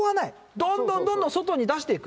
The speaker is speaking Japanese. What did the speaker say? どんどんどんどん外に出していく。